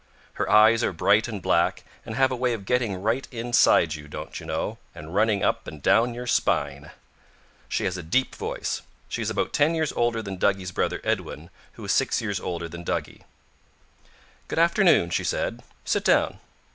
Her eyes are bright and black, and have a way of getting right inside you, don't you know, and running up and down your spine. She has a deep voice. She is about ten years older than Duggie's brother Edwin, who is six years older than Duggie. "Good afternoon," she said. "Sit down."